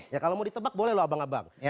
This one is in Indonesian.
ya kalau mau ditebak boleh loh abang abang